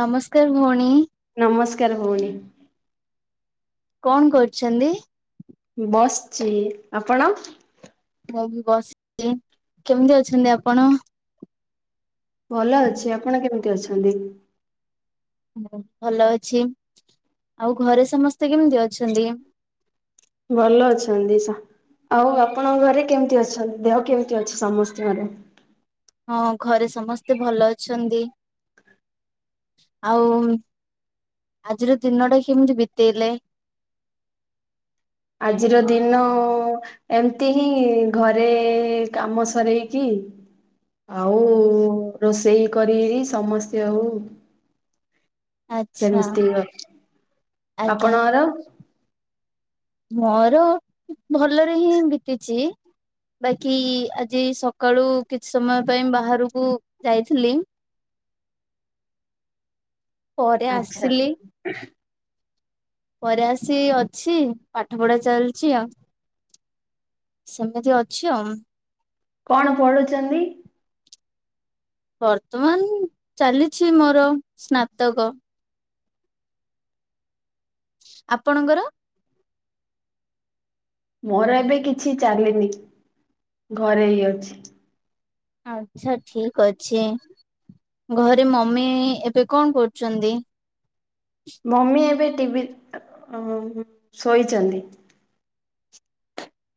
ନମସ୍କାର, ଭଉଣୀ। ନମସ୍କାର, ଭଉଣୀ। କଣ କରୁଛନ୍ତି? ବସିଛି ଆପଣ, ମୁଁ ବି ବସିଛି କେମିତି ଅଛନ୍ତି ଆପଣ? ଭଲ ଅଛି ଆପଣ କେମିତି ଅଛନ୍ତି। ହଁ ଭଲ ଅଛି ଆଉ ଘରେ ସମସ୍ତେ କେମିତି ଅଛନ୍ତି। ଭଲ ଅଛନ୍ତି ସମସ୍ତେ, ଆଉ ଆପଣଙ୍କ ଘରେ କେମିତି ଅଛନ୍ତି। ଦେହ କେମିତି ଅଛି ସମସ୍ତଙ୍କର ହଁ ଘରେ ସମସ୍ତେ ଭଲ ଅଛନ୍ତି। ଆଉ ଆଜିର ଦିନଟା କେମିତି ବିତେଇଲେ, ଆଜିର ଦିନ [inaudible] ଏମତି ହିଁ ଘରେ, କାମ ସରେଇକି। ଆଉ ରୋଷେଇ, କରିକି ସମସ୍ତେ ଆଉ। ଆଚ୍ଛା ସେମିସ୍ତ ଅ ଆଜ୍ଞା ଆପଣଙ୍କର? [inaudible] ମୋର ଭଲରେ ହିଁ ବିତିଛି। ବାକି ଆଜି ସକାଳୁ କିଛି ସମୟ ପାଇଁ ବାହାରକୁ ଯାଇଥିଲି। [inaudible] ପରେ ଆଚ୍ଛା, ଆସିଲି ଘରେ ଆସି ଅଛି। ପାଠ ପଢା ଚାଲିଛି ଆଉ। ସେମିତି ଅଛି ଆଉ। କଣ ପଢୁଛନ୍ତି? ବର୍ତ୍ତମାନ ଚାଲିଛି ମୋର ସ୍ନାତକ। ଆପଣଙ୍କର? ମୋର ଏବେ କିଛି ଚାଲିନି। ଘରେ ହିଁ ଅଛି। ଆଚ୍ଛା ଠିକି ଅଛି। ଘରେ ମମି ଏବେ କଣ କରୁଛନ୍ତି? ମମି ଏବେ ଟିଭି ଅଁ ଶୋଇଛନ୍ତି।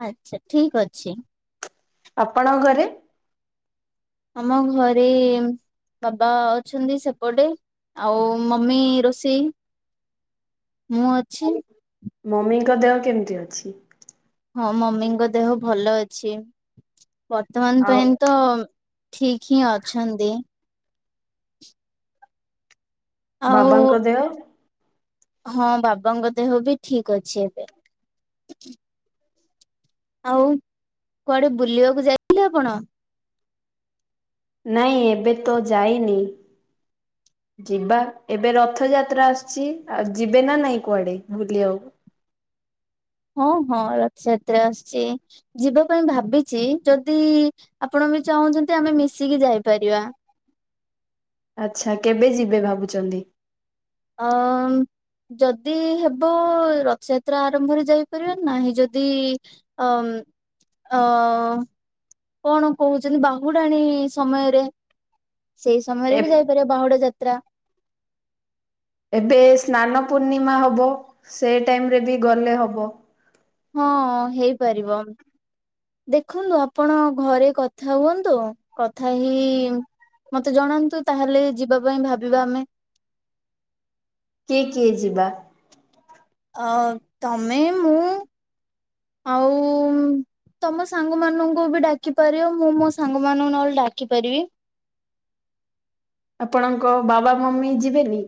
ଆଚ୍ଛା ଠିକି ଅଛି। ଆପଣଙ୍କ ଘରେ? ଆମ ଘରେ ଏମ୍ ବାବା ଅଛନ୍ତି ସେପଟେ। ଆଉ ମମି ରୋଷେଇ। ମୁଁ ଅଛି। ମମିଙ୍କ ଦେହ କେମିତି ଅଛି? ହଁ ମମିଙ୍କ ଦେହ ଭଲ ଅଛି। ବର୍ତ୍ତମାନ ଆଉ ପାଇଁ। ତ ଠିକି ହିଁ ଅଛନ୍ତି। ଆଉ ବାବାଙ୍କ ଦେହ। ହଁ ବାବାଙ୍କ ଦେହ ବି ଠିକି ଅଛି ଏବେ। ଆଉ। କୁଆଡେ ବୁଲିବାକୁ ଯାଇଥିଲେ ଆପଣ। ନାଇଁ ଏବେ ତ ଯାଇନି। ଯିବା ଏବେ ରଥଯାତ୍ରା ତ୍ରା ଆସୁଛି। ଆଉ ଯିବେ ନା ନାଇଁ କୁଆଡେ ଭୁଲିବାକୁ। ହଁ ହଁ ରଥଯାତ୍ରା ଆସୁଛି। ଯିବା ପାଇଁ ଭାବିଚି ଯଦି ଆପଣ ବି ଚାହୁଁଛନ୍ତି ଆମେ ମିଶିକି ଯାଇପାରିବା। ଆଚ୍ଛା କେବେ ଯିବେ ଭାବୁଛନ୍ତି। ହଃ ମ୍। ଯଦି ହେବ ରଥଯାତ୍ରା ଆରମ୍ଭରେ ଯାଇପାରିବ ନାହିଁ ଯଦି ଅମ୍ ଅ। କଣ କହୁଛନ୍ତି ବାହୁଡାଣୀ ସମୟରେ। ସେଇ ଏ ସମୟରେ ବି ଯାଇ ତା ବାହୁଡ଼ା ଯାତ୍ରା। ଏବେ ସ୍ନାନ ପୂର୍ଣ୍ଣିମା ହବ ସେ ଟାଇମି ରେ ବି ଗଲେ ହବ। ହଁ ହେଇପାରିବ। ଦେଖନ୍ତୁ ଆପଣ ଘରେ କଥା ହୁଅନ୍ତୁ। କଥା ହେଇ ମତେ ଜଣାନ୍ତୁ ତାହେଲେ ଯିବା ପାଇଁ ଭାବିବା ଆମେ। କିଏ କିଏ ଯିବା? ଅ ତମେ ମୁଁ ଆଉ ତମ ସାଙ୍ଗ ମାନଙ୍କୁ ବି ଡାକି ପାରିବ। ମୁଁ ମୋ ସାଙ୍ଗ ମାନଙ୍କୁ ନହେଲେ ଡାକି ପାରିବି। ଆପଣଙ୍କ ବାବା ମମି ଯିବେ ବି?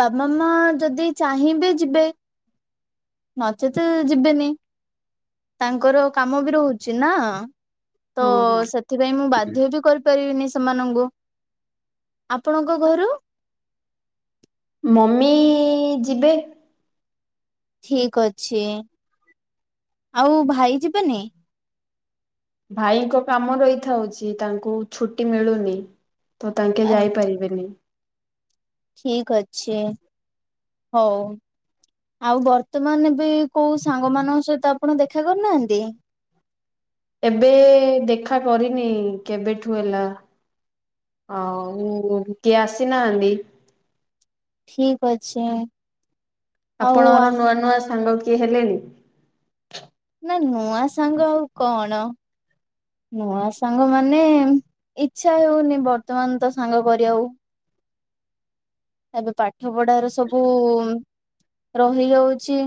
ବାବା ମା ଯଦି ଚାହିଁବେ ଯିବେ। ନଚେତେ ଯିବେନି। ତାଙ୍କର କାମ ବି ରହୁଛି ନା। ତୋ ହଁ ହଁ ସେ ସେଥିପାଇଁ ମୁଁ ବାଧ୍ୟ ବି କରିପାରିବିନି ସେମାନଙ୍କୁ। ଆପଣଙ୍କ ଘରୁ? ମମି ଯିବେ। ଠିକି ଅଛି। ଆଉ ଭାଇ ଯିବେନି? ଭାଇଙ୍କ କାମ ରହିଥାଉଛି ତାଙ୍କୁ ଛୁଟି ମିଳୁନି। ତ ତାଙ୍କେ ଯାଇପାରିବ ଯାଇପାଇଲେନି। ଠିକି ଅଛି। ହଉ। ଆଉ ବର୍ତ୍ତମାନ ଏବେ କୋଉ ସାଙ୍ଗ ମାନଙ୍କ ସହିତ ଆପଣ ଦେଖା କରି ନାହାନ୍ତି। ଏବେ ଦେଖା କରିନି କେବେଠୁ ହେଲା। ଆଉ କିଏ ଆସି ନାହାନ୍ତି। ଠିକ ଅଛି। ଆଉ ଆ ଆପଣଙ୍କର ନୂଆ ନୂଆ ସାଙ୍ଗ କିଏ ହେଲେଣି? ନା ନୂଆ ସାଙ୍ଗ ଆଉ କଣ। ନୂଆ ସାଙ୍ଗ ମାନେ ଇଚ୍ଛା ହଉନି ବର୍ତ୍ତମାନ ତ ସାଙ୍ଗ କରିବାକୁ। ଏବେ ପାଠ ପଢାର ସବୁ ରହି ଯାଉଛି।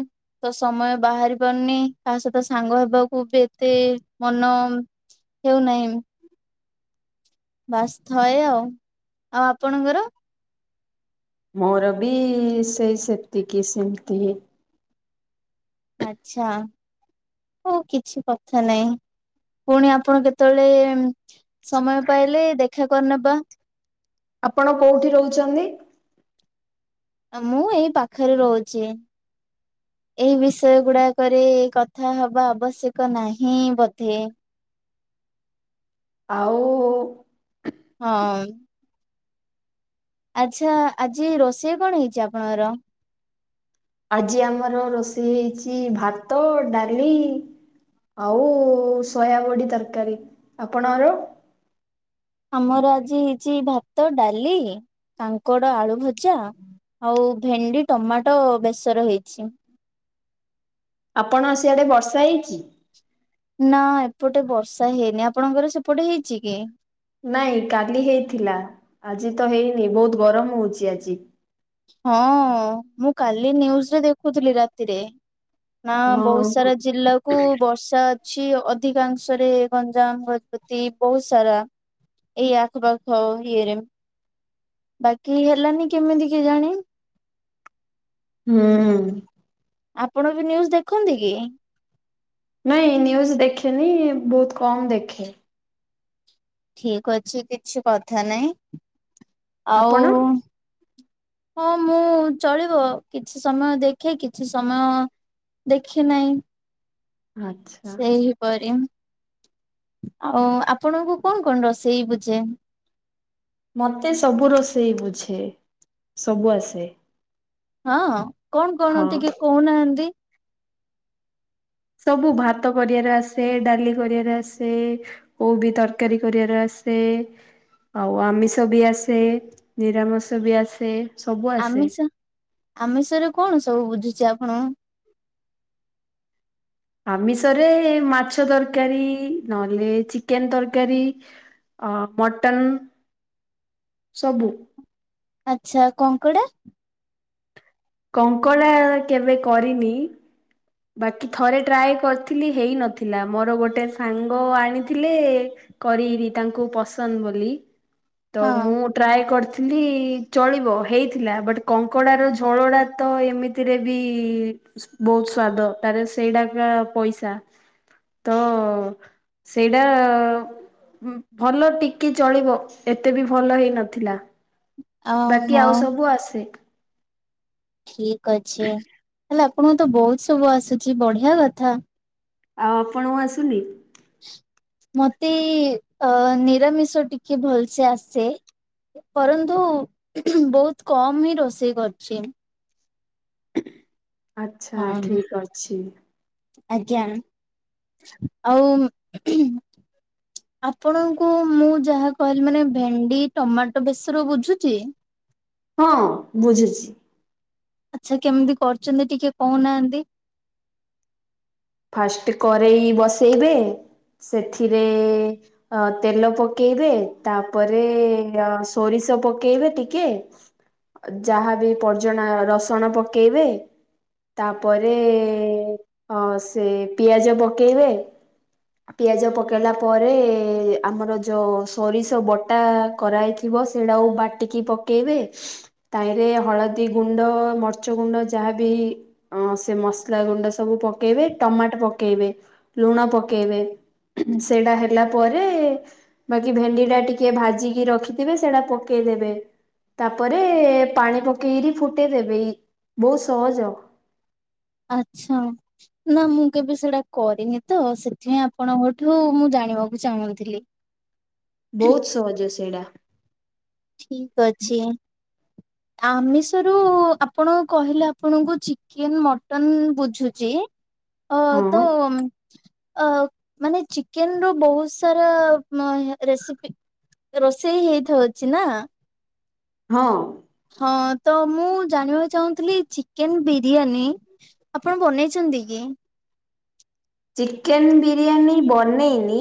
ତ ସମୟ ବାହାରି ପାରୁନି ତା ସହିତ ସାଙ୍ଗ ହେବାକୁ ବି ଏତେ ମନ। ହେଉନାହିଁ। ବାସ ଥଏ ଆଉ ଆଉ ଆପଣଙ୍କର? ମୋର ବି ସେଇ ସେତିକି ସେମିତି ହିଁ। ଆଚ୍ଛା। ହଉ କିଛି କଥା ନାହିଁ ପୁଣି ଆପଣ କେତେବେଳେ। ସମୟ ପାଇଲେ ଦେଖା କରିନେବା। ଆପଣ କୋଉଠି ରହୁଛନ୍ତି? ମୁଁ ଏଇ ପାଖରେ ରହୁଛି। ଏଇ ବିଷୟ ଗୁଡାକରେ କଥା ହବା ଆବଶ୍ୟକ ନାହିଁ ବୋଧେ? ଆଉ। ହଁ। ଆଚ୍ଛା ଆଜି ରୋଷେଇ କଣ ହେଇଛି ଆପଣଙ୍କର? ଆଜି ଆମର ରୋଷେଇ ହେଇଛି ଭାତ ଡାଲି। ଆଉ ସୋୟାବଡ଼ି ତରକାରୀ ଆପଣଙ୍କର? ଆମର ଆଜି ହେଇଛି ଭାତ ଡାଲି କାଙ୍କଡ ଆଳୁ ଭଜା। ଆଉ ଭେଣ୍ଡି ଟମାଟୋ ବେସର ହେଇଛି। ଆପଣ ସିଆଡେ ବର୍ଷା ହେଇଛି? ନା ଏପଟେ ବର୍ଷା ହେଇନି ଆପଣଙ୍କର ସେପଟେ ହେଇଛି କି? ନାଇଁ କାଲି ହେଇଥିଲା ଆଜି ତ ହେଇନି ବହୁତ ଗରମ ହଉଛି ଆଜି। ହଁ ମୁଁ କାଲି ନିୁଜରେ ଦେଖୁଥିଲି ରାତିରେ। ନା ବହୁତ ହଁ ସାରା ଜିଲ୍ଲା କୁ ବର୍ଷା ଅଛି ଅଧିକାଂଶରେ ଗଞ୍ଜାମ ଗଜପତି ବହୁତ ସାରା। ଏଇ ଆଖପାଖ ଇଏରେ। ବାକି ହେଲାନି କେମିତି କେଯାଣେ। ହୁଁ। ଆପଣ ବି ନ୍ୟୁଜ ଦେଖନ୍ତି କି? ନାଇଁ ନ୍ୟୁଜ ଦେଖେନି ବହୁତ କମ୍ ଦେଖେ। ଠିକ ଅଛି କିଛି କଥା ନାଇଁ ଆଉ। ଆପଣ? ହଁ ମୁଁ ଚଳିବ କିଛି ସମୟ ଦେଖେ କିଛି ସମୟ। ଦେଖେ ନାହିଁ। ଆଚ୍ଛା ସେହିପରି ଆଉ ଆପଣଙ୍କୁ କଣ କଣ ରୋଷେଇ ବୁଝେ? ମତେ ସବୁ ରୋଷେଇ ବୁଝେ ସବୁ ଆସେ। ହଁ କଣ କଣ ହଁ। ଟିକେ କହୁନାହାନ୍ତି। ସବୁ ଭାତ କରିବାର ଆସେ ଡାଲି କରିବାର ଆସେ। କୋଉ ବି ତରକାରୀ କରିବାର ଆସେ। ଆଉ ଆମିଷ ବି ଆସେ ନିରାମିଷ ବି ଆସେ। ସବୁ ଆସେ। ଆମିଷ ଆମିଷ ରେ କଣ ସବୁ ବୁଝୁଚ ଆପଣ? ଆମିଷରେ ଏ ମାଛ ତରକାରୀ ନହେଲେ ଚିକେନ ତରକାରୀ ଅ ମଟନ୍ ସବୁ ଆଚ୍ଛା କଙ୍କଡା? କଙ୍କଡ଼ା କେବେ କରିନି ବାକି ଥରେ ଟ୍ରାଏ କରିଥିଲି ହେଇନଥିଲା ମୋର ଗୋଟେ ସାଙ୍ଗ ଆଣିଥିଲେ ଏ କରିବି ତାଙ୍କୁ ପସନ୍ଦ ବୋଲି ତ ହଁ ମୁଁ ଟ୍ରାଏ କରିଥିଲି ଚଳିବ ହେଇଥିଲା ବଟ୍ କଙ୍କଡ଼ାର ଝୋଳଡ଼ା ତ ଏମି ତି ରେ ବି ବହୁତ ସ୍ଵାଦ ତାର ସେଇଟା ପଇସା ତ ଅ ସେଇଟା ଆ ଭଲ ଟିକି ଚଳିବ ଏତେ ବି ଭଲ ହେଇ ନଥିଲା। ବାକି ଓହୋ ଆଉ ସବୁ ଆସେ। ଠିକ ଅଛେ ହେଲେ ଆପଣଙ୍କ ତ ବହୁତ ସବୁ ଆସୁଛି ବଢିଆ କଥା। ଆଉ ଆପଣଙ୍କୁ ଆସୁନି? ମତେ ଅ ନିରାମିଷ ଟିକେ ଭଲସେ ଆସେ ପରନ୍ତୁ ବହୁତ କମ ହିଁ ରୋଷେଇ କରୁଛି। ଆଚ୍ଛା ହଁ ଠିକ ଅଛି। ଆଜ୍ଞା ଆଉ ଆପଣଙ୍କୁ ମୁଁ ଯାହା କହିଲି ମାନେ ଭେଣ୍ଡି ଟମାଟୋ ବେସର ବୁଝୁଚି ହଁ ବୁଝୁଚି। ଆଚ୍ଛା କେମିତି କରୁଛନ୍ତି ଟିକେ କହୁନାହାନ୍ତି? ଫାଷ୍ଟ କରେଇ ବସେଇବେ ସେଥିରେ ଅ ତେଲ ପକେଇବେ ତାପରେ ସୋରିଷ ପକେଇବେ ଟିକେ ଯାହାବି ପଜଣା ରସୁଣ ପକେଇବେ ତାପରେ ଅ ସେ ପିଆଜ ପକେଇବେ। ପିଆଜ ପକେଇଲା ପରେ ଆମର ଯୋଉ ସୋରିଷ ବଟା କରାହେଇ ଥିବ ସେଇଟାକୁ ବାଟିକି ପକାଇବେ ତାଇରେ ହଳଦୀ ଗୁଣ୍ଡ, ମରିଚ ଗୁଣ୍ଡ ଯାହା ବିି ହଁ ସେ ମସଲା ଗୁଣ୍ଡ ସବୁ ପକେଇବେ, ଟମାଟ ପକେଇବେ, ଲୁଣ ପକେଇ ପକେଇବେ ସେଇଟା ହେଲା ପରେ ବାକି ଭେଣ୍ଡି ଟା ଟିକେ ଭାଜିକି ରଖିଥିବେ ସେଟା ପକେଇଦେବେ। ତାପରେ ପାଣି ପକେଇକିରିି ଫୁଟେଇ ଦେବେ, ବହୁତ ସହଜ। ଆଛା। ନା ମୁଁ କେବେ ସେଟା କରିନି ତ ସେଥିପାଇଁ ଆପଣଙ୍କଠୁ ମୁଁ ଜାଣିବାକୁ ଚାହୁଁଥିଲି। ବହୁତ ସହଜ ସେଇଟା। ଠିକ ଅଛି। ଆମିଷରୁ ଆପଣ କହିଲେ ଆପଣଙ୍କୁ ଚିକେନ ମଟନ ବୁଝୁଚି ଅ ତ ହଁ ଅ ମାନେ ଚିକେନ ର ବହୁତ ସାରା ରେସିପି ରୋଷେଇ ହେଇଥାଉଚି ନା। ହଁ। ହଁ ତ ମୁଁ ଜାଣିବାକୁ ଚାହୁଁଥିଲି ଚିକେନ ବିରିୟାନୀ ଆପଣ ବନେଇଚନ୍ତି କି? ଚିକେନ ବିରିୟାନୀ ବନେଇନି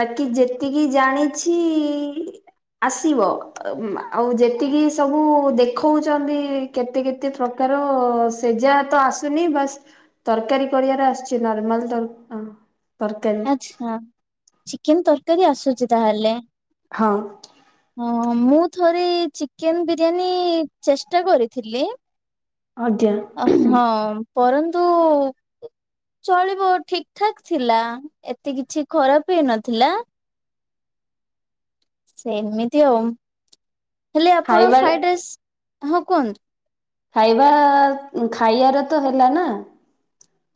ବାକି ଯେତିକି ଜାଣିଛି ଇ ଆସିବ। ଅ ମ୍ ଆଉ ଯେତିକି ସବୁ ଦେଖଉଚନ୍ତି କେତେ କେତେ ପ୍ରକାର ସେଜାଏ ତ ଆସୁନି। ବାସ୍ ତରକାରୀ କରିବାର ଆସୂଚି। ନର୍ମାଲ ତ ଅ ତରକାରୀ। ଆଛା। ଚିକେନ ତରକାରୀ ଆସୁଚି ତାହେଲେ? ହଁ। ହଁ ହଁ ମୁଁ ଥରେ ଚିକେନ ବିରିୟାନୀ ଚେଷ୍ଟା କରିଥିଲି। ଆଜ୍ଞା। ଆ ହଁ ପରନ୍ତୁ ଚଳିବ ଠିକ ଠାକ୍ ଥିଲା। ଏତେ କିଛି ଖରାପ ବି ହେଇ ନଥିଲା। ସେମିତି ଆଉ। ହେଲେ ଆପଣ ଖାଇବା ଫ୍ରାଇଡ ରାଇସ୍ ହଁ କୁହନ୍ତୁ। ଖାଇବା ଖାଇବାର ତ ହେଲା ନା?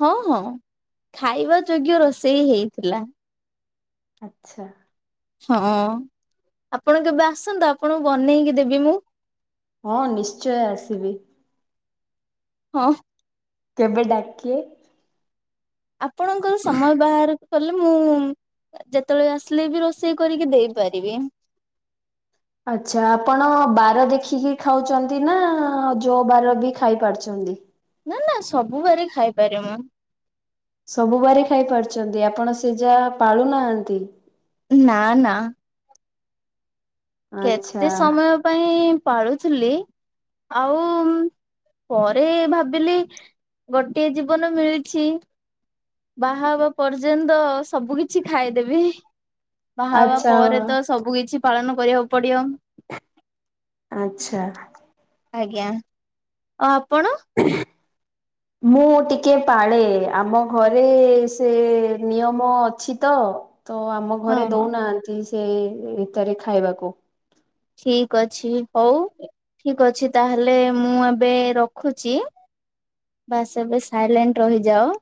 ହଁ ହଁ ଖାଇବା ଯୋଗ୍ୟ ରୋଷେଇ ହେଇଥିଲା। ଆଛା। ହଁ ଆପଣ କେବେ ଆସନ୍ତୁ। ଆପଣଙ୍କୁ ବନେଇକି ଦେବି ମୁଁ। ହଁ ନିଶ୍ଚୟ ଆସିବି। ହଁ। କେବେ ଡାକେ। ଆପଣଙ୍କର ସମୟ ବାହାରକଲେ ମୁଁ ଯେତ୍ ତେବେଳେ ଆସିଲେ ବି ରୋଷେଇ କରିକି ଦେଇପାରିବି। ଆଛା ଆପଣ ବାର ଦେଖିକି ଖାଉଚନ୍ତି ନା, ଯୋ ବାର ବି ଖାଇ ପାରୁଚନ୍ତି? ନା ନା ସବୁ ବାରେ ଖାଇପାରେ ମୁଁ। ସବୁ ବାର ଖାଇ ପାରୁଚନ୍ତି। ଆପଣ ସେ ଯାହା ପାଳୁନାହାନ୍ତି? ନା ନା। ଆଚ୍ଛା କେତେ ସମୟ ପାଇଁ ପାଳୁଥିଲି। ଆଉ ପରେ ଭାବିଲି ଗୋଟିଏ ଜୀବନ ମିଳିଛି। ବାହା ହେବା ପର୍ଯ୍ୟନ୍ତ ସବୁ କିଛି ଖାଇଦେବି। ବାହା ହେବା ଆଚ୍ଛା ପରେ ତ ସବୁ କିଛି ପାଳନ କରିବାକୁ ପଡିବ। ଆଚ୍ଛା। ଆଜ୍ଞା। ଆଉ ଆପଣ? [unintelligible] ମୁଁ ଟିକେ ପାଳେ। ଆମ ଘରେ ସେ ନିୟମ ଅଛି ତ। ତ ଆମ ହଁ ଘରେ ହଁ। ଦଉନାହାନ୍ତି ସେ ଭିତରେ ଖାଇବାକୁ। ଠିକ ଅଛି ହଉ। ଠିକ୍ ଅଛି ତାହେଲେ ମୁଁ ଏବେ ରଖୁଚି। ବାସ୍ ଏବେ ସାଇଲେଣ୍ଟ ରହିଯାଅ।